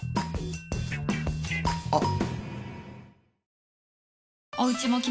あっ。